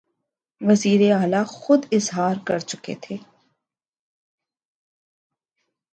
وزیراعلیٰ خود اظہار کرچکے تھے